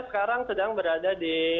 sekarang sedang berada di